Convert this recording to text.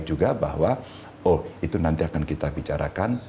dan juga bahwa oh itu nanti akan kita bicarakan